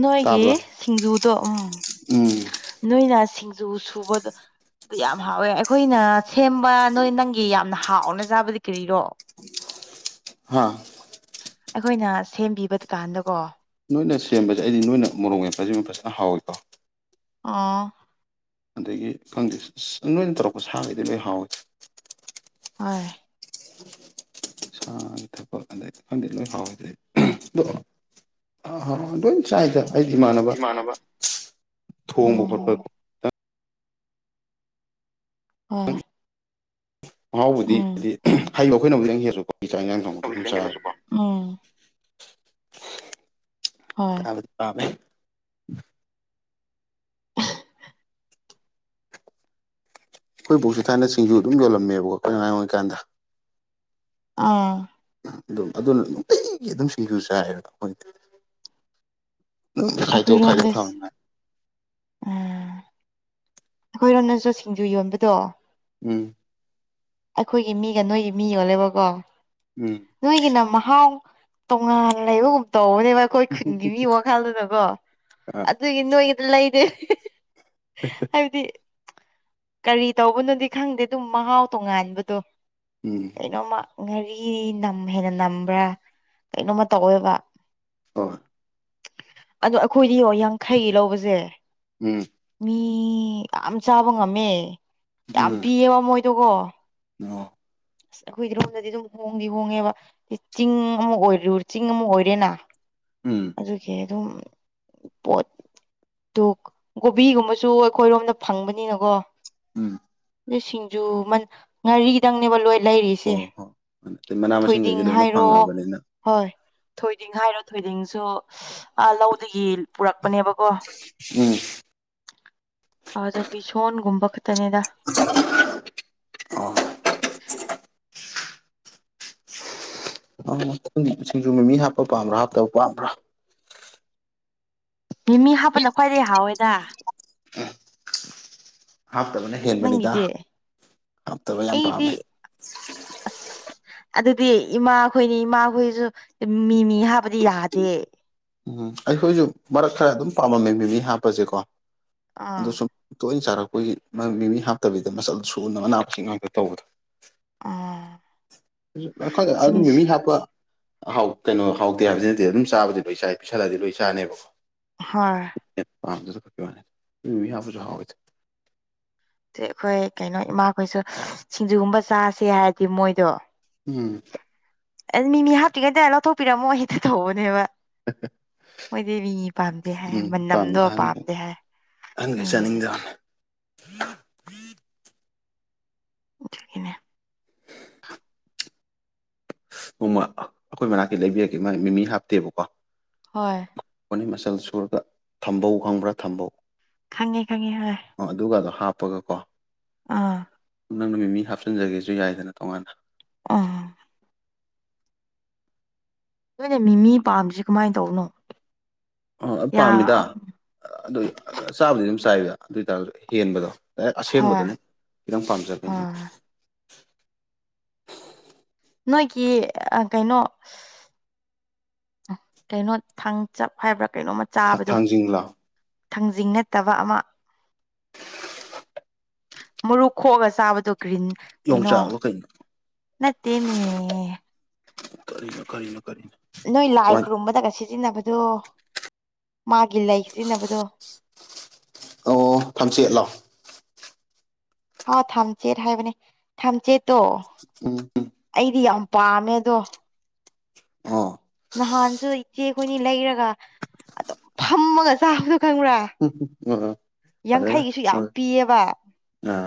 ꯅꯣꯏꯒꯤ ꯇꯥꯕ꯭ꯔꯥ ꯁꯤꯡꯖꯨꯗꯣ ꯎꯝ ꯎꯝ ꯅꯣꯏꯅ ꯁꯤꯡꯖꯨ ꯁꯨꯕꯗ ꯑꯗꯨ ꯌꯥꯝ ꯍꯥꯎꯋꯦ ꯑꯩꯈꯣꯏꯅ ꯁꯦꯝꯕ ꯅꯣꯏ ꯅꯪꯒꯤ ꯌꯥꯝꯅ ꯍꯥꯎꯅ ꯆꯥꯕꯗꯤ ꯀꯔꯤꯔꯣ ꯍꯥꯥ ꯑꯩꯈꯣꯏꯅ ꯁꯦꯝꯕꯤꯕ ꯗꯨꯀꯥꯟꯗꯀꯣ ꯅꯣꯏꯅ ꯁꯦꯝꯕꯁꯦ ꯑꯩꯗꯤ ꯅꯣꯏꯅ ꯃꯣꯔꯣꯡ ꯌꯥꯝꯦ ꯐꯖꯃ ꯐꯖꯅ ꯍꯥꯎꯏꯀꯣ ꯑꯥ ꯑꯗꯒꯤ ꯈꯪꯗꯦ ꯅꯣꯏꯅ ꯇꯧꯔꯛꯄ ꯁꯥꯈꯩꯗꯤ ꯂꯣꯏ ꯍꯥꯎꯏꯤ ꯍꯣꯏ ꯥꯡ ꯊꯛ ꯑꯗꯩꯗꯤ ꯂꯣꯏ ꯍꯥꯎꯋ ꯑ ꯑ ꯂꯣꯏ ꯆꯥꯏꯗ ꯑꯩ ꯏꯃꯥꯟꯅꯕ ꯊꯣꯡꯕ ꯎꯝ ꯈꯣꯠꯄꯗ ꯈꯤꯇ ꯑ ꯃꯍꯥꯎꯕꯨꯗꯤ ꯍꯥꯏꯗꯤ ꯍꯩꯕ ꯑꯩꯈꯣꯏꯅꯕꯨ ꯅꯪ ꯍꯦꯜꯂꯁꯨꯀꯣ ꯏ ꯆ ꯏꯉꯥꯡ ꯊꯪꯕꯗ ꯑꯗꯨꯝ ꯆꯥꯏ ꯎꯝ ꯍꯣꯏ ꯆꯕꯗꯤ ꯄꯥꯃꯦ ꯑꯩꯈꯣꯏ ꯕꯨꯣꯛꯁꯨ ꯊꯥꯏꯅ ꯁꯤꯡꯖꯨ ꯑꯗꯨꯝ ꯌꯣꯜꯂꯝꯃꯦꯕꯀꯣ ꯑꯩꯈꯣꯏꯅꯉꯥꯡ ꯑꯣꯏꯉꯀꯥꯟꯗ ꯑꯥ ꯑꯗꯨꯝ ꯑꯗꯨ ꯅꯨꯡꯇꯤꯒꯤ ꯑꯗꯨꯝ ꯁꯤꯡꯖꯨ ꯆꯥꯏꯌꯦꯕꯗ ꯃꯣꯏꯗꯤ ꯎꯝ ꯈꯥꯏꯗ ꯈꯥꯏ ꯀ ꯑꯩꯈꯣꯏꯔꯣꯝꯗ ꯊꯥꯅ ꯑꯩꯈꯣꯏꯔꯣꯝꯅꯁꯨ ꯁꯤꯡꯖꯨ ꯌꯣꯟꯕꯗꯣ ꯎꯝ ꯑꯩꯈꯣꯏꯒꯤ ꯃꯤꯒ ꯅꯣꯏꯒꯤ ꯃꯤ ꯌꯣꯜꯂꯦꯕꯀꯣ ꯎꯝ ꯅꯣꯏꯒꯤꯅ ꯃꯍꯥꯎ ꯇꯣꯡꯉꯅꯕ ꯨꯞꯗ ꯕ ꯑꯩꯈꯣꯏ ꯈꯨꯟꯒꯤ ꯃꯤ ꯋꯥꯈꯜꯗꯨꯅꯀꯣ ꯑ ꯑꯗꯨꯒꯤ ꯅꯣꯏꯒꯤꯗ ꯂꯩꯔꯦ ꯍꯥꯏꯕꯗꯤ ꯀꯔꯤ ꯇꯧꯕꯅꯣꯗꯤ ꯈꯪꯗꯦ ꯑꯗꯨꯝ ꯃꯍꯥꯎ ꯇꯣꯉꯥꯟꯕꯗꯣ ꯎꯝ ꯀꯩꯅꯣꯝꯃ ꯉꯥꯔꯤ ꯅꯝ ꯍꯦꯟꯅ ꯅꯝꯕ꯭ꯔꯥ ꯀꯩꯅꯣꯝꯃ ꯇꯧꯋꯦꯕ ꯑ ꯑꯗꯣ ꯑꯩꯈꯣꯏꯗꯤꯡ ꯌꯥꯡꯈꯩ ꯂꯧꯕꯁꯦ ꯎꯝ ꯃꯤ ꯃꯤ ꯌꯥꯝ ꯆꯥꯕ ꯉꯝꯃꯦ ꯌꯥꯝ ꯎꯝ ꯄꯤꯌꯦꯕ ꯃꯣꯏꯗꯨꯒꯣ ꯑꯣ ꯑꯁ ꯑꯩꯈꯣꯏꯗꯤꯔꯣꯝꯗꯗꯤ ꯑꯗꯨꯝ ꯍꯣꯡꯗꯤ ꯍꯣꯡꯉꯦꯕ ꯆꯤꯡ ꯑꯃ ꯑꯣꯏꯔꯨꯔ ꯆꯤꯡ ꯑꯃ ꯑꯣꯏꯔꯦꯅ ꯎꯝ ꯑꯗꯨꯒꯤ ꯑꯗꯨꯝ ꯄꯣꯠ ꯑꯗꯨ ꯀꯣꯕꯤꯒꯨꯝꯕꯁꯨ ꯑꯩꯈꯣꯏꯔꯣꯝꯗ ꯐꯪꯕꯅꯤꯅꯀꯣ ꯎꯝ ꯁꯤꯡꯖꯨ ꯉꯥꯔꯤꯗꯪꯅꯦꯕ ꯂꯣꯏ ꯂꯩꯔꯤꯁꯦ ꯑꯣ ꯍꯣ ꯑꯗꯩ ꯃꯅꯥ ꯊꯣꯏꯗꯤꯡ ꯃꯁꯤꯡꯈꯩꯗꯤ ꯂꯣꯏꯅ ꯍꯥꯏꯔꯣ ꯐꯪꯉꯕꯅꯤꯅ ꯍꯣꯏ ꯊꯣꯏꯗꯤꯡ ꯍꯥꯏꯔꯣ ꯊꯣꯏꯗꯤꯡꯁꯨ ꯂꯧꯗꯒꯤ ꯄꯨꯔꯛꯄꯅꯦꯕꯀꯣ ꯎꯝ ꯑꯗ ꯕꯤꯁꯣꯟꯒꯨꯝꯕ ꯈ ꯇꯅꯦꯗ ꯑ ꯁꯤꯡꯁꯨ ꯃꯃꯤ ꯍꯥꯞꯄ ꯄꯥꯝꯕ꯭ꯔꯥ ꯍꯥꯞꯇꯕ ꯄꯥꯝꯕ꯭ꯔꯥ ꯃꯤꯃꯤ ꯍꯥꯞꯄꯗ ꯈ꯭ꯋꯥꯏꯗꯒꯤꯩ ꯍꯥꯎꯋꯦꯗ ꯑ ꯍꯥꯞꯇꯕꯅ ꯍꯦꯟꯕꯅꯤꯗ ꯅꯪꯒꯤꯗꯤ ꯍꯥꯞꯇꯕ ꯌꯥꯝ ꯑꯩꯗꯤ ꯄꯥꯝꯃꯦ ꯑꯁ ꯑꯗꯨꯗꯤ ꯏꯃꯥꯈꯣꯏꯅꯤ ꯏꯃꯥꯈꯣꯏꯁꯨ ꯃꯤ ꯃꯤ ꯍꯥꯕꯗꯤ ꯌꯥꯗꯦ ꯎꯝ ꯑꯩꯈꯣꯏꯁꯨ ꯃꯔꯛ ꯈꯔ ꯑꯗꯨꯝ ꯄꯥꯝꯃꯝꯃꯦ ꯃꯤꯃꯤ ꯍꯥꯞꯄꯁꯦꯀꯣ ꯑꯥ ꯑꯗꯨꯗ ꯁ ꯁꯔ ꯑꯩꯈꯣꯏꯒꯤ ꯃꯤꯃꯤ ꯍꯥꯞꯇꯕꯤꯗ ꯃꯆꯜ ꯁꯨꯅ ꯑꯅꯥꯁꯤꯡ ꯉꯥꯛꯇ ꯇꯧꯕꯗꯣ ꯑꯥ ꯑꯩꯣꯏ ꯑꯗꯨꯝ ꯁꯤꯡꯖ ꯃꯤꯃꯤ ꯍꯥꯞꯄ ꯀꯩꯅꯣ ꯍꯥꯎꯇꯦ ꯍꯥꯏꯕꯁꯤꯅꯗꯤ ꯑꯗꯨꯝ ꯆꯥꯕꯗꯤ ꯂꯣꯏ ꯆꯥꯏ ꯄꯩꯤꯁꯜꯂꯗꯤ ꯂꯣꯏ ꯆꯥꯅꯦꯕꯀꯣ ꯍꯣꯏ ꯝꯅꯤ ꯃꯤ ꯍꯥꯁꯨ ꯍꯥꯎꯦ ꯁꯤ ꯑꯩꯈꯣꯏ ꯀꯩꯅꯣ ꯏꯃꯥꯈꯣꯏꯁꯨ ꯁꯤꯡꯖꯨꯒꯨꯝꯕ ꯆꯥꯁꯦ ꯍꯥꯏꯔꯗꯤ ꯃꯣꯏꯗꯣ ꯎꯝ ꯑꯗꯨ ꯃꯤ ꯃꯤ ꯍꯥꯞꯇꯤꯉꯩꯗꯥꯏ ꯂꯧꯊꯣꯛꯄꯤꯔꯝꯃꯣ ꯍꯛꯇ ꯇꯧꯕꯅꯦꯕ ꯍ ꯃꯣꯏ ꯗꯦꯕꯤꯅꯤ ꯄꯥꯝꯗꯦ ꯍꯥꯏ ꯃꯅꯝꯗꯣ ꯄꯥꯝꯗꯦ ꯍꯥꯏ ꯑꯪꯒꯦ ꯎꯝ ꯆꯅꯤꯡꯗ ꯏꯖꯅꯦ ꯅꯣꯡꯃ ꯑꯩꯈꯣꯏ ꯃꯅꯥꯛꯇ ꯂꯩꯕꯤꯔꯒꯦ ꯃꯥ ꯃꯤꯃꯤ ꯍꯥꯞꯇꯦꯕꯀꯣ ꯍꯣꯏ ꯑꯩꯅꯤ ꯃꯆꯜ ꯁꯨꯔꯒ ꯊꯝꯕꯧ ꯈꯪꯕ꯭ꯔꯥ ꯊꯝꯕꯧ ꯈꯪꯉꯦ ꯈꯪꯉꯦ ꯍ ꯍꯥꯞꯄꯒ ꯀꯣ ꯑꯥ ꯅꯪ ꯅꯨꯃꯤꯠ ꯃꯤ ꯍꯥꯞꯆꯤꯟꯖꯒꯦꯁꯨ ꯌꯥꯏꯗꯅ ꯇꯣꯉꯥꯟꯅ ꯑ ꯅꯣꯏꯅ ꯃꯤꯃꯤ ꯄꯥꯝꯃꯤꯁ ꯀꯃꯥꯏꯅ ꯇꯧꯕꯅꯣ ꯑ ꯌꯥ ꯄꯥꯝꯃꯤꯗ ꯑꯗꯨ ꯆꯥꯕꯨꯗꯤ ꯑꯗꯨꯝ ꯆꯥꯏꯕꯗ ꯑꯗꯨ ꯑꯣꯏꯇꯥꯔ ꯍꯦꯟꯕꯗꯣ ꯍꯣꯏ ꯑꯁꯦꯡꯕꯗꯨꯅꯦ ꯈꯤꯇꯪ ꯄꯥꯝꯖꯕ ꯍꯣꯏ ꯅꯣꯏꯒꯤ ꯀꯩꯅꯣ ꯀꯩꯅꯣ ꯊꯥꯡ ꯆꯞ ꯍꯥꯏꯕ꯭ꯔꯥ ꯀꯩꯅꯣꯃ ꯆꯥꯕꯗꯣ ꯊꯥꯡꯖꯤꯡ ꯂꯥꯎ ꯊꯥꯡꯖꯤꯡ ꯅꯠꯇꯕ ꯑꯃ ꯃꯨ ꯈꯣꯛꯑꯒ ꯆꯥꯕꯗꯨ ꯀ꯭ꯔꯤꯟ ꯀꯩꯅꯣ ꯌꯣꯡꯆꯥꯛꯂꯣ ꯀꯩꯅꯣ ꯅꯠꯇꯦꯃꯦ ꯀꯅ ꯀꯔꯤꯅ ꯅꯣꯏ ꯂꯥꯏ ꯈꯨꯔꯨꯝꯕꯗꯒꯁꯤ ꯁꯤꯖꯤꯟꯅꯕꯗꯣ ꯃꯥꯒꯤ ꯂꯩ ꯁꯤꯖꯤꯟꯅꯕꯗꯣ ꯑꯣ ꯐꯝꯆꯦꯠꯂꯣ ꯍ ꯊꯝꯆꯦꯠ ꯍꯥꯏꯕꯅꯦ ꯊꯝꯆꯦꯠꯇꯣ ꯎꯝ ꯎꯝ ꯑꯩꯗꯤ ꯌꯥꯝ ꯇꯥꯃꯦꯗꯣ ꯑ ꯅꯍꯥꯟꯁꯨ ꯏꯆꯦꯈꯣꯏꯅꯤ ꯂꯩꯔꯒ ꯑꯗꯨꯝ ꯐꯝꯃꯒ ꯆꯥꯕꯗ ꯎ ꯑꯣ ꯌꯥꯡꯈꯩꯒꯤꯁꯨ ꯌꯥꯝ ꯄꯤꯌꯦꯕ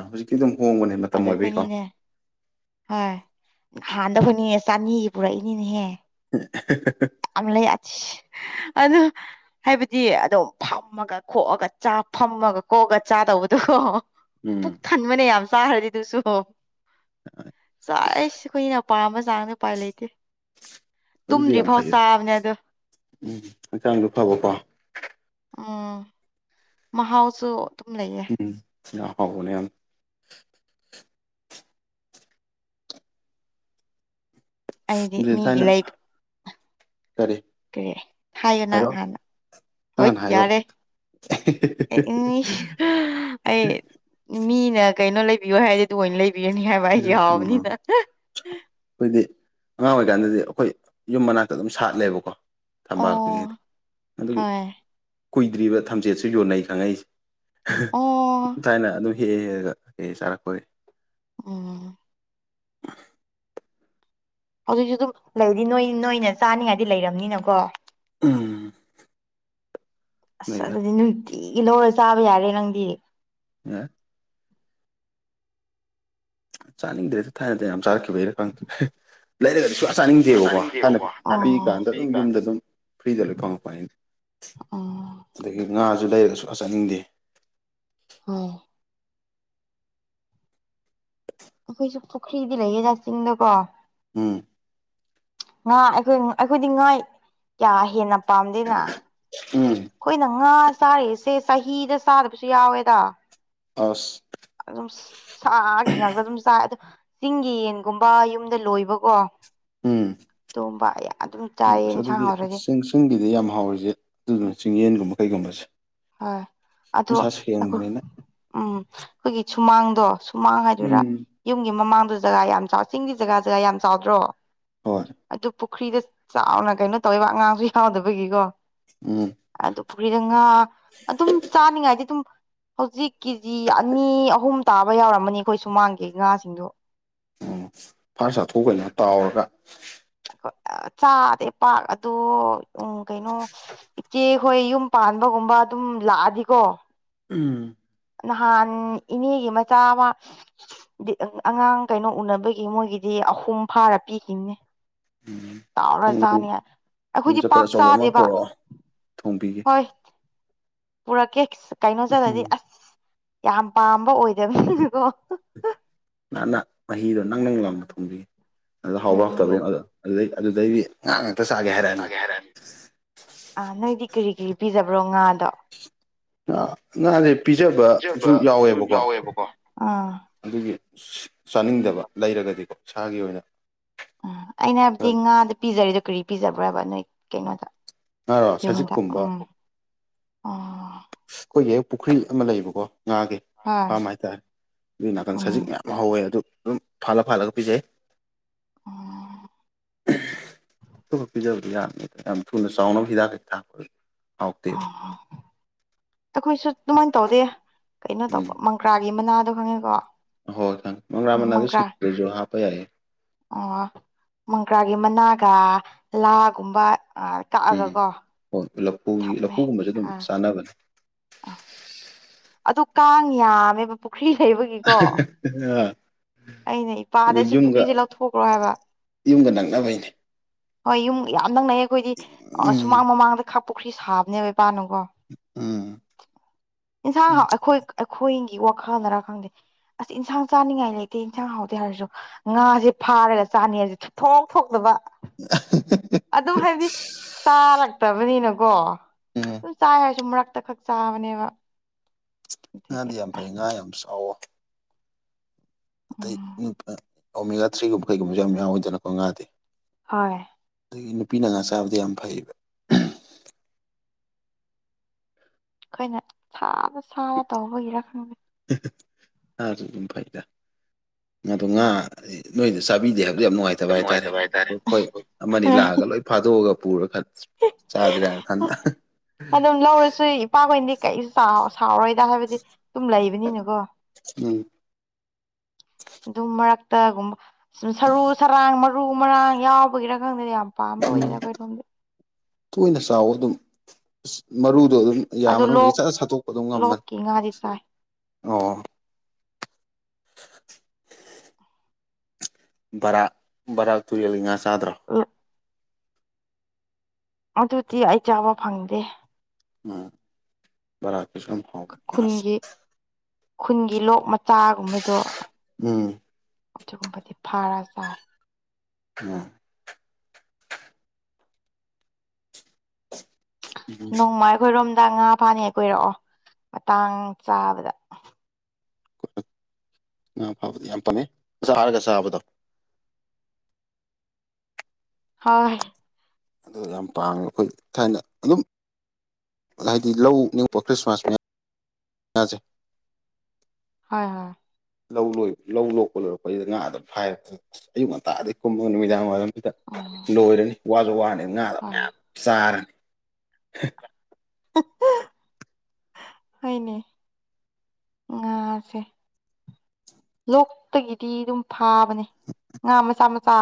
ꯍꯧꯖꯤꯛꯤ ꯑꯗꯨꯝ ꯍꯣꯡꯕꯅꯦ ꯃꯇꯝ ꯑꯗꯣ ꯑꯣꯏꯕꯒꯤꯀꯣ ꯑꯩꯈꯣꯏꯅꯤꯅꯦ ꯍꯣꯏ ꯍꯍꯥꯟꯗ ꯍꯣꯏꯅꯤꯡ ꯆꯥꯅꯤꯒꯤ ꯄꯨꯔꯛꯏꯅꯤꯅꯦꯍꯦ ꯂꯩ [unintelligible] ꯑꯗ ꯍꯥꯏꯕꯗꯤ ꯑꯗꯨꯝ ꯐꯝꯃꯒ ꯀꯣꯛꯑꯒ ꯆꯥ ꯐꯝꯃꯒ ꯀꯣꯛꯑꯒ ꯆꯥꯗꯧꯕꯗꯨꯣ ꯎꯝ ꯄꯨꯛ ꯊꯟꯕꯅꯦ ꯌꯥꯝ ꯆꯥꯈ꯭ꯔꯗꯤ ꯑꯗꯨꯁꯨ ꯍꯣ ꯆꯥꯔꯁ ꯑꯩꯈꯣꯏꯅꯄꯥꯥꯝꯕ ꯆꯥꯡ ꯎꯄꯥꯏ ꯂꯩꯇꯦ ꯑꯗꯨꯗꯤ ꯇꯨꯝꯗ꯭ꯔꯤ ꯌꯥꯝ ꯐꯥꯎ ꯐꯩꯌꯦ ꯆꯥꯕꯅꯦ ꯑꯗꯣ ꯎꯝ ꯍꯛꯆꯥꯡꯗ ꯐꯕꯀꯣ ꯎꯝ ꯃ ꯍꯥꯎꯁꯨ ꯎꯝ ꯌꯥ ꯍꯕꯅꯦ ꯑꯩꯗꯤ ꯑꯗꯨ ꯃꯤꯒꯤ ꯂ ꯊꯥꯏꯅ ꯂꯩꯛ ꯀꯔꯤ ꯀꯦ ꯍꯥꯏꯌꯣ ꯅꯪ ꯍꯥꯏꯔꯛꯑꯣ ꯍꯥꯟꯅ ꯅꯪ ꯍꯣꯏ ꯍꯥꯟꯅ ꯍꯥꯏꯌꯣ ꯌꯥꯔꯦ ꯎ ꯑꯩ ꯃꯤꯅ ꯀꯩꯅꯣ ꯂꯩꯕꯤꯌꯣ ꯍꯥꯏꯔꯗꯤ ꯑꯗꯨ ꯑꯣꯏꯅ ꯂꯩꯕꯤ ꯅꯤ ꯍꯥꯏ ꯏ ꯎꯝ ꯑꯎꯅꯤꯗ ꯑꯩꯈꯣꯏꯗꯤ ꯑꯉꯥꯡ ꯑꯣꯏꯔꯤꯀꯥꯟꯗꯗꯤ ꯑꯩꯈꯣꯏ ꯌꯨꯝ ꯃꯅꯥꯛꯇ ꯑꯗꯨꯝ ꯁꯥꯠꯂꯦꯕꯀꯣ ꯑꯣ ꯊꯝꯄꯥꯛꯇꯨꯒꯤꯗꯤ ꯑꯗꯨꯒꯤ ꯍꯣꯏ ꯀꯨꯏꯗ꯭ꯔꯤꯕ ꯊꯝꯆꯦꯠꯁꯨ ꯌꯣꯟꯅꯩ ꯈꯪꯉꯛꯏꯁꯦ ꯑꯣ ꯊꯥꯏꯅ ꯑꯗꯨꯝ ꯍꯦꯛ ꯍꯦ ꯍꯦꯛꯒ ꯍꯦꯛꯦ ꯆꯥꯔꯛꯄ ꯎꯝ ꯍꯧꯖꯤꯛꯁꯨ ꯑꯗꯨꯝ ꯂꯩꯗꯤ ꯅꯣꯏ ꯅꯣꯏꯅ ꯆꯥꯅꯤꯡꯉꯥꯏꯗꯤ ꯂꯩꯔꯕꯝꯅꯤꯅꯀꯣ ꯎꯝ ꯑꯁ ꯑꯗꯨꯗꯤ ꯅꯨꯡꯇꯤꯒꯤ ꯂꯧꯔꯒ ꯆꯥꯕ ꯌꯥꯔꯦ ꯅꯪꯗꯤ ꯑ ꯆꯥꯅꯤꯡꯗ꯭ꯔꯦꯁꯦ ꯊꯥꯏꯅꯗꯤ ꯌꯥꯝ ꯆꯥꯔꯛꯈꯤꯕꯩꯔ ꯈꯪꯗ꯭ꯔꯦ ꯂꯩꯔꯒꯗꯤ ꯁꯨꯡꯌꯥ ꯆꯥꯅꯤꯡꯗꯦꯕꯀꯣ ꯍꯥꯟꯅ ꯄꯤ ꯀꯥꯟꯗ ꯑꯗꯨꯝ ꯄꯤꯛꯏꯀꯥꯟꯗ ꯌꯨꯝꯗ ꯑꯗꯨꯝ ꯐ꯭ꯔꯤꯗ ꯂꯣꯏ ꯐꯪꯉꯛꯄꯁꯦ ꯑꯣ ꯑꯗꯨꯗꯒꯤ ꯉꯥꯁꯨ ꯂꯩꯔꯁꯨ ꯆꯠꯅꯤꯡꯗꯦ ꯍꯣꯏ ꯑꯩꯈꯣꯏꯁꯨ ꯄꯨꯈ꯭ꯔꯤꯗꯤ ꯂꯩꯌꯦꯦꯖꯥ ꯆꯤꯡꯗꯀꯣ ꯑꯝ ꯉꯥ ꯑꯩꯈꯣꯏ ꯑꯩꯈꯣꯏꯗꯤ ꯉꯥ ꯀꯌꯥ ꯍꯦꯟꯅ ꯄꯥꯝꯗꯦꯅ ꯎꯝ ꯑꯩꯈꯣꯏꯅ ꯉꯥ ꯆꯥꯔꯤꯁꯦ ꯆꯍꯤꯗ ꯆꯥꯗꯕꯁꯨ ꯌꯥꯎꯋꯦꯗ ꯑꯁ ꯑꯗꯨꯝ ꯁꯥꯒꯤ ꯉꯥꯛꯇ ꯑꯗꯨꯝ ꯆꯥꯏ ꯑꯗꯨ ꯆꯤꯡꯒꯤ ꯌꯦꯟꯒꯨꯝꯕ ꯌꯨꯝꯗ ꯂꯣꯏꯕꯀꯣ ꯎꯝ ꯃꯨꯝꯕꯥ ꯎꯝ ꯑꯁ ꯑꯗꯨꯗꯤ ꯆꯤꯡ ꯆꯤꯡꯒꯤꯗꯤ ꯌꯥꯝ ꯍꯥꯎꯔꯤꯁꯦ ꯑꯗꯨꯗꯨꯅ ꯆꯤꯡꯌꯦꯟꯒꯨꯝꯕ ꯀꯩꯒꯨꯝꯕꯁꯦ ꯍꯣꯏ ꯑꯗꯣ ꯃꯁꯥ ꯑꯩꯈꯣꯏ ꯁꯦꯡꯕꯅꯤꯅ ꯎꯝ ꯑꯩꯈꯣꯏꯒꯤ ꯁꯨꯃꯥꯡꯗꯣ ꯁꯨꯃꯥꯡ ꯍꯥꯏꯗꯣꯏꯔꯥ ꯎꯝ ꯌꯨꯝꯒꯤ ꯃꯃꯥꯡꯗ ꯖꯒꯥ ꯌꯥꯝ ꯆꯥꯎ ꯆꯤꯡꯒꯤ ꯖꯒꯥ ꯖꯒꯥ ꯌꯥꯝ ꯆꯥꯎꯗ꯭ꯔꯣ ꯍꯣꯏ ꯑꯗꯨ ꯄꯨꯈ꯭ꯔꯤꯗ ꯆꯥꯎꯅ ꯀꯩꯅꯣ ꯇꯧꯋꯦꯕ ꯑꯉꯥꯡꯁꯨ ꯌꯥꯎꯗꯕꯒꯤꯀꯣ ꯎꯝ ꯑꯗꯨ ꯄꯨꯈ꯭ꯔꯤꯗ ꯉꯥ ꯑꯗꯨꯝ ꯆꯥꯅꯤꯡꯉꯥꯏꯗꯤ ꯑꯗꯨꯝ ꯍꯧꯖꯤꯛ ꯀꯦꯖꯤ ꯑꯅꯤ ꯑꯍꯨꯝ ꯇꯥꯕ ꯌꯥꯎꯔꯝꯃꯅꯤ ꯑꯩꯈꯣꯏ ꯁꯨꯃꯥꯡꯒꯤꯦ ꯉꯥꯁꯤꯡꯗꯣ ꯎꯝ ꯐꯥꯔ ꯆꯥꯊꯣꯛꯀꯅꯤ ꯇꯥꯎꯔꯒ ꯆꯥꯗꯦ ꯄꯥꯛ ꯑꯗꯣ ꯎꯝ ꯀꯩꯅꯣ ꯏꯆꯦꯈꯣꯏ ꯌꯨꯝ ꯄꯥꯟꯕꯒꯨꯝꯕ ꯑꯗꯨꯝ ꯂꯥꯛꯑꯗꯤꯀꯣ ꯎꯝ ꯅꯍꯥꯟ ꯏꯅꯦꯒꯤ ꯃꯆꯥ ꯑꯃ ꯑꯉꯥꯡ ꯀꯩꯅꯣ ꯎꯅꯕꯒꯤ ꯃꯣꯏꯒꯤꯗꯤ ꯑꯍꯨꯝ ꯐꯥꯔ ꯄꯤꯈꯤꯅꯦ ꯎꯝ ꯇꯥꯎꯔ ꯅꯪ ꯅꯪ ꯆꯥꯅꯤ ꯍꯥꯏ ꯌꯨꯝ ꯑꯩꯈꯣꯏꯗꯤ ꯆꯠꯄꯗ ꯄꯥꯛ ꯑꯆꯧꯕ ꯑꯃ ꯆꯥꯗꯦꯕ ꯄꯣꯔꯛꯑꯣ ꯊꯣꯡꯕꯤꯒꯦ ꯍꯣꯏ ꯄꯨꯔꯛꯀꯦ ꯀꯩꯅꯣ ꯆꯠꯂꯗꯤ ꯎꯝ ꯑꯁ ꯌꯥꯝ ꯄꯥꯝꯕ ꯑꯣꯏꯗꯕꯅꯤ ꯑꯗꯨꯣ ꯅꯍ ꯅ ꯃꯍꯤꯗꯣ ꯅꯪ ꯅꯪ ꯂꯥꯡꯅ ꯊꯣꯡꯕꯤ ꯑ ꯎꯝ ꯍꯥꯎꯕꯔꯛꯇꯕꯅꯤꯅ ꯑꯗꯣ ꯑꯗꯨꯗꯩ ꯑꯗꯨꯗꯩꯗꯤ ꯆꯥꯒꯦ ꯍꯥꯏꯔꯛꯑꯅꯤ ꯑꯥ ꯅꯪꯗꯤ ꯀꯔꯤ ꯀꯔꯤ ꯄꯤꯖꯕ꯭ꯔꯣ ꯉꯥꯗꯣ ꯉꯥ ꯉꯥꯁꯦ ꯄꯤꯖꯕꯁꯨ ꯌꯥꯎꯋꯦꯕꯀꯣ ꯑꯗꯨꯒꯤ ꯆꯥꯅꯤꯡꯗꯕ ꯂꯩꯔꯒꯗꯤꯀꯣ ꯏꯁꯥꯒꯤ ꯑꯣꯏꯅ ꯎꯝ ꯑꯩꯅ ꯍꯥꯏꯕꯗꯤ ꯉꯥꯗ ꯄꯤꯖꯔꯤꯗꯣ ꯀꯔꯤ ꯄꯤꯖꯕ꯭ꯔꯕ ꯅꯣꯏ ꯀꯩꯅꯣꯗ ꯍꯥꯏꯔꯣ ꯁꯖꯤꯛꯀꯨꯝꯕ ꯑ ꯑꯩꯈꯣꯏꯒꯤ ꯍꯦꯛ ꯄꯨꯈ꯭ꯔꯤ ꯑꯃ ꯂꯩꯌꯦꯕꯀꯣ ꯉꯥꯒꯤ ꯍꯣꯏ ꯐꯥꯝ ꯍꯥꯏꯇꯥꯔꯦ ꯑꯗꯨꯒꯤ ꯅꯥꯀꯟ ꯁꯖꯤꯛ ꯎꯝ ꯃꯌꯥꯝ ꯍꯧꯋꯦ ꯑꯗꯨ ꯑꯗꯨꯝ ꯐꯂ ꯐꯥꯂꯒ ꯄꯤꯖꯩ ꯎꯝ ꯊ ꯄꯤꯖꯕꯗꯤ ꯌꯥꯅꯤꯗ ꯌꯥꯝ ꯊꯨꯅ ꯆꯥꯎꯅꯕ ꯍꯤꯗꯥꯛ ꯍꯩ ꯊꯥꯄ ꯑ ꯑꯩꯈꯣꯏꯁꯨ ꯑꯗꯨꯃꯥꯏꯅ ꯇꯧꯗꯦ ꯀꯩꯅꯣ ꯎꯝ ꯇꯧꯕ ꯃꯪꯀ꯭ꯔꯥꯒꯤ ꯃꯅꯥꯗꯣ ꯈꯪꯉꯦꯀꯣ ꯍꯣꯏ ꯊꯪ ꯃꯪ ꯔꯃꯅꯥ ꯑꯗꯨ ꯃꯪꯀ꯭ꯔꯥ ꯁꯤ꯭ꯔꯁꯨꯣ ꯍꯥꯞꯄ ꯌꯥꯏꯌꯦ ꯑꯣ ꯃꯪꯒ꯭ꯔꯥꯒꯤ ꯃꯅꯥꯒ ꯂꯥꯒꯨꯝꯕ ꯑꯥ ꯀꯛꯑꯒ ꯎꯝ ꯀꯣ ꯍꯣꯏ ꯂꯐꯨꯒꯤ ꯂꯐꯨꯒꯨꯝꯕꯁꯨ ꯑꯗꯨꯝ ꯆꯥꯟꯅꯕꯅꯦ ꯑ ꯑꯗꯨ ꯀꯥꯡ ꯌꯥꯝꯃꯦꯕ ꯄꯨꯈ꯭ꯔꯤ ꯂꯩꯕꯒꯤꯀꯣ ꯑꯩꯅ ꯏꯄꯥꯗ ꯑꯗꯨ ꯁꯤ ꯌꯨꯝꯒ ꯄꯨꯈ꯭ꯔꯤꯁꯦ ꯂꯧꯊꯣꯛꯈ꯭ꯔꯣ ꯍꯥꯏꯕ ꯌꯨꯝꯒ ꯅꯛꯅꯕꯩꯅꯦ ꯍꯣꯏ ꯌꯨꯝ ꯌꯥꯝ ꯅꯪꯅꯩꯌꯦ ꯑꯩꯈꯣꯏꯗꯤ ꯎꯝ ꯁꯨꯃꯥꯡ ꯃꯃꯥꯡꯗ ꯈ ꯄꯨꯈ꯭ꯔꯤ ꯁꯥꯕꯅꯦꯕ ꯄꯥꯅꯨꯀꯣ ꯎꯝ ꯏꯟꯁꯥꯡ ꯑꯩꯈꯣꯏ ꯑꯩꯈꯣꯏ ꯒꯤ ꯋꯥꯈꯜꯅꯔ ꯈꯪꯗꯦ ꯑꯁ ꯏꯟꯁꯥꯡ ꯆꯥꯅꯤꯡꯉꯥꯏ ꯂꯩꯇꯦ ꯏꯟꯁꯥꯡ ꯍꯥꯎꯗꯦ ꯍꯥꯏꯔꯁꯨ ꯉꯥꯁꯦ ꯀꯔꯦ ꯆꯥꯅꯤꯁꯦ ꯊꯣꯡ ꯊꯣꯛꯇꯕ ꯑꯗꯨꯝ ꯍꯥꯏꯕꯗꯤ ꯆꯥꯔꯛꯇꯕꯅꯤꯅꯀꯣ ꯎꯝ ꯁꯨꯝ ꯆꯥꯏ ꯍꯥꯏꯔꯁꯨ ꯃꯔꯛꯇ ꯈꯛ ꯆꯥꯕꯅꯦꯕ ꯑꯗꯒꯤ ꯉꯥꯗꯤ ꯌꯥꯝ ꯐꯩ ꯉꯥ ꯌꯥꯝ ꯁꯥꯎꯋ ꯑꯇꯩ ꯎꯝ ꯑꯣꯃꯤꯒꯥ ꯊ꯭ꯔꯤꯒꯨꯝꯕ ꯀꯩꯒꯨꯝꯕꯁꯨ ꯌꯥꯝ ꯌꯥꯎꯋꯤꯗꯅꯀꯣ ꯉꯥꯗꯤꯦ ꯍꯣꯏ ꯑꯗꯒꯤ ꯅꯨꯄꯤꯅ ꯉꯥ ꯆꯥꯕꯗ ꯌꯥꯝ ꯐꯩꯌꯦꯕ ꯑꯩꯈꯣꯏꯅ ꯁꯥꯅ ꯁꯥꯥꯅ ꯇꯧꯕꯒꯤꯔ ꯈꯪꯗꯦ ꯉꯥꯁꯨ ꯑꯗꯨꯝ ꯐꯩꯗ ꯑꯗꯣ ꯉꯥ ꯅꯣꯏꯗ ꯆꯥꯕꯤꯗꯦ ꯍꯥꯏꯕ ꯑꯗꯨ ꯌꯥꯝ ꯅꯨꯡꯉꯥꯏꯇꯕ ꯍꯥꯏꯇꯥꯔꯦ ꯍꯣꯏ ꯑꯃꯅꯤ ꯂꯥꯛꯑꯒ ꯂꯣꯏ ꯐꯥꯗꯣꯛꯑꯒ ꯄꯨꯔ ꯈ ꯆꯥꯖꯔ ꯊꯗ ꯑꯗꯨꯝ ꯂꯧꯔꯁꯨ ꯏꯄꯥꯈꯣꯏꯗꯤ ꯀꯩꯁꯨ ꯆꯥꯎꯥꯁꯤ ꯁꯥꯎꯔꯣꯏꯗ ꯍꯥꯏꯕꯗꯤ ꯑꯗꯨꯨꯝ ꯂꯩꯕꯅꯤꯅꯀꯣ ꯎꯝ ꯑꯗꯨꯝ ꯃꯔꯛꯇꯒꯨꯝꯕ ꯁꯨꯝ ꯁꯔꯨ ꯁꯔꯥꯡ ꯃꯔꯨ ꯃꯔꯥꯡ ꯌꯥꯎꯕꯒꯤꯔ ꯈꯪꯗꯦ ꯌꯥꯝ ꯄꯥꯝꯕ ꯎꯝ ꯑꯣꯏꯗ ꯑꯣꯏꯣꯏ ꯑꯣꯏꯦ ꯇꯣꯏꯅ ꯆꯥꯎ ꯑꯗꯨꯝ ꯑ ꯃꯔꯨ ꯑꯗꯨꯣ ꯑꯗꯨꯝ ꯌꯥ ꯑꯗꯨ ꯂꯣꯛ ꯃꯅꯨꯡꯗꯒꯤ ꯆꯠꯂ ꯁꯠꯇꯣꯛꯄ ꯑꯗꯨꯝ ꯉꯝꯕꯅꯤ ꯂꯣꯛꯀꯤ ꯉꯥꯗꯤ ꯆꯥꯏ ꯑꯣ ꯕꯔ ꯔ ꯇꯨꯔꯤꯜꯂꯤ ꯉꯁꯗ꯭ꯔꯣ ꯑꯗꯨꯗꯤ ꯑꯩ ꯆꯥꯕ ꯐꯪꯗꯦ ꯎꯝ ꯔꯥ ꯄꯁꯨꯝ ꯍꯕꯅꯤꯁ ꯈꯨꯟꯒꯤ ꯈꯨꯟꯒꯤ ꯂꯣꯛ ꯃꯆꯥꯒꯨꯝꯕꯗꯣ ꯎꯝ ꯑꯗꯨꯒꯨꯝꯕꯗꯤ ꯐꯥꯔꯁꯤ ꯆꯥꯏ ꯎꯝ ꯎꯝ ꯅꯣꯡꯃꯥꯏ ꯈꯣꯏꯔꯣꯝ ꯍꯗ ꯉꯥ ꯐꯥꯅꯤ ꯀꯣꯏꯔꯛꯑꯣ ꯃꯇꯥꯡ ꯆꯥꯕꯗ ꯉꯥ ꯐꯥꯕꯗꯤ ꯌꯥꯝ ꯐꯥꯅꯤ ꯆꯥꯔꯒ ꯆꯥꯕꯗꯣ ꯍ ꯑꯗꯨ ꯌꯥꯝ ꯄꯥꯡꯝꯉ ꯑꯩꯈꯣꯏ ꯊꯥꯏꯅ ꯑꯗꯨꯝ ꯍꯥꯏꯗꯤ ꯂꯧ ꯅꯤꯡꯄ ꯈ꯭ꯔꯤꯁꯃꯥꯁ ꯃꯖꯩ ꯍꯣꯏ ꯍꯣꯏ ꯂꯧ ꯂꯣꯏꯕ ꯂꯧ ꯂꯣꯛꯄ ꯂꯣꯏꯔꯛꯄꯩꯁꯤꯗ ꯉꯥ ꯑꯗꯨꯝ ꯐꯥꯏꯔꯒ ꯑꯌꯨꯛ ꯉꯟꯇꯥꯗꯩ ꯀꯨꯝꯕꯒ ꯅꯨꯃꯤꯗꯥꯡ ꯋꯥꯏꯔꯝ ꯎꯝ ꯂꯣꯏꯔꯅꯤ ꯋꯥꯁꯨ ꯋꯥꯔꯅꯤ ꯉꯥꯗꯕ ꯍꯣꯏ ꯃꯌꯥꯝ ꯆꯥꯔꯅꯤ ꯍꯅꯦ ꯉꯥꯁꯦ ꯂꯣꯛꯇꯒꯤꯗꯤ ꯑꯗꯨꯝ ꯐ ꯊꯥꯕꯅꯦ ꯉꯥ ꯃꯆꯥ ꯃꯆꯥ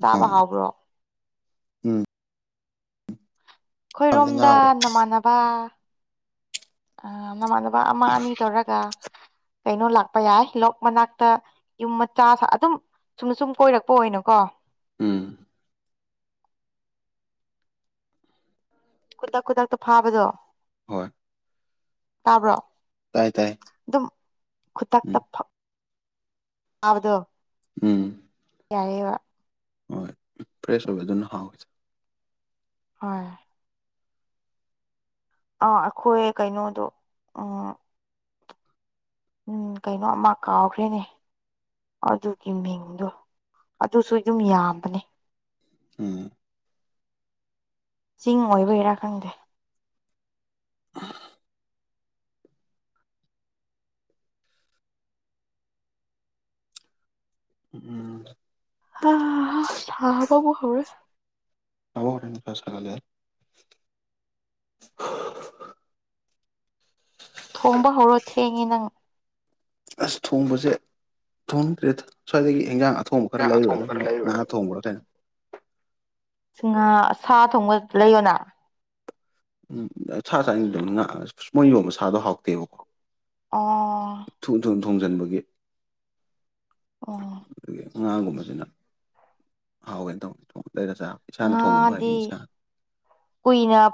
ꯆꯥꯕ ꯑꯣ ꯍꯥꯎꯕ꯭ꯔꯣ ꯎꯝ ꯍꯥꯏꯕꯗꯤ ꯉꯥ ꯑꯩꯈꯣꯏꯔꯣꯝꯗ ꯑꯣꯏ ꯅꯃꯥꯟꯅꯕ ꯑ ꯅꯃꯥꯟꯅꯕ ꯑꯃ ꯑꯅꯤ ꯇꯧꯔꯒ ꯀꯩꯅꯣ ꯂꯥꯛꯄ ꯌꯥꯏ ꯂꯣꯛ ꯃꯅꯥꯛꯇ ꯌꯨꯝ ꯃꯆꯥ ꯑꯗꯨꯝ ꯁꯨꯝ ꯁꯨꯝ ꯀꯣꯏꯔꯛꯄ ꯑꯣꯏꯅꯀꯣ ꯎꯝ ꯈꯨꯗꯛ ꯈꯨꯗꯛꯇ ꯐꯥꯕꯗꯣ ꯍꯣꯏ ꯇꯥꯕ꯭ꯔꯣ ꯇꯥꯏ ꯇꯥꯏ ꯑꯗꯨꯝ ꯎꯝ ꯈꯨꯗꯛꯇ ꯑꯗꯣ ꯎꯝ ꯌꯥꯔꯦ ꯋꯥ ꯍꯣꯏ ꯐ꯭ꯔꯦꯁ ꯑꯣꯏꯕ ꯑꯗꯨꯅ ꯍꯥꯎꯋꯁꯦ ꯍꯣꯏ ꯑ ꯑꯩꯈꯣꯏ ꯀꯩꯅꯣꯗꯣ ꯎꯝ ꯎꯝ ꯀꯩꯅꯣ ꯑꯃ ꯀꯥꯎꯈ꯭ꯔꯦꯅꯦ ꯑꯗꯨꯒꯤ ꯃꯤꯡꯗꯣ ꯑꯗꯨꯁꯨ ꯑꯗꯨꯝ ꯌꯥꯝꯕꯅꯤ ꯎꯝ ꯆꯤꯡ ꯑꯣꯏꯕꯩꯔꯥ ꯈꯪꯗꯦ [inaudible] ꯎꯝ ꯊꯣꯛꯔ ꯇꯕ ꯍꯔꯅꯤ ꯐꯁꯂ ꯍꯉ ꯅꯪ ꯑꯁ ꯊꯣꯡꯕꯁꯦ ꯊꯣꯡꯗ꯭ꯔꯦ ꯁ꯭ꯋꯥꯏꯗꯒꯤ ꯏꯟꯖꯥꯡ ꯊꯣꯡꯕ ꯈꯔ ꯌꯦꯟꯁꯥꯡ ꯑꯊꯣꯡꯕ ꯂꯩꯔꯨꯔꯗ ꯈꯔ ꯅꯍꯥ ꯂꯩꯔꯨꯔ ꯊꯣꯡꯕ꯭ꯔꯥ ꯀꯩꯅꯣ ꯍꯥ ꯁꯥ ꯊꯣꯡꯕ ꯂꯩꯌꯣꯅ ꯎꯝ ꯁꯥ ꯆꯥꯅꯤꯡꯗꯧꯅꯤ ꯁ ꯃꯣꯏ ꯌꯣꯟꯕ ꯁꯥꯗꯣ ꯍꯥꯎꯇꯦꯕꯀꯣ ꯑꯣ ꯊꯨ ꯊꯨꯅ ꯊꯣꯡꯖꯤꯟꯕꯒꯤ ꯑꯣ ꯑꯉꯥꯡꯒꯨꯝꯕꯁꯤꯅ ꯍꯥꯎꯋꯦꯅ ꯇꯧꯅꯤ ꯊꯣꯡꯉ ꯂꯩꯔ ꯆꯥ ꯏꯁꯥꯅ ꯊꯣꯡꯉꯕ ꯉꯥꯗꯤ ꯐꯩ ꯏꯁꯥ ꯀꯨꯏꯅ